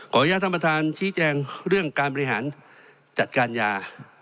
อนุญาตท่านประธานชี้แจงเรื่องการบริหารจัดการยา